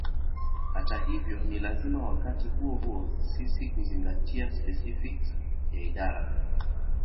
Hata hivyo ni lazima wakati huo huo sisi kuzingatia specifics ya idara